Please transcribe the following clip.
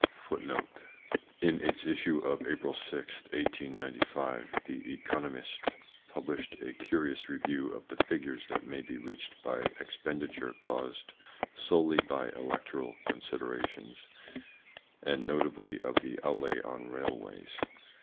In its issue of April 6, 1895, the Economiste published a curious review of the figures that may be reached by expenditure caused solely by electoral considerations, and notably of the outlay on railways.